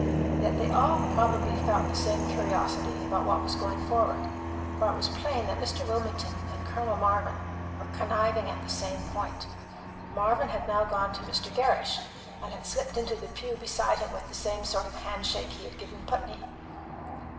Yet they all probably felt the same curiosity about what was going forward, for it was plain that Mr. Wilmington and Colonel Marvin were conniving at the same point. Marvin had now gone to Mr. Gerrish, and had slipped into the pew beside him with the same sort of hand shake he had given Putney.